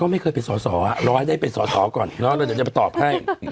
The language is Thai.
ก็ไม่เคยเป็นรอให้ได้เป็นก่อนเนอะเราเดี๋ยวจะไปตอบให้